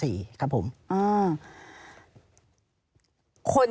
ปีอาทิตย์ห้ามีส